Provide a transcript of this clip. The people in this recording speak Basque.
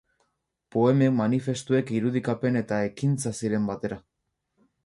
Poemek, manifestuek, irudikapen eta ekintza ziren batera.